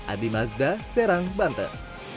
adi mazda serang banten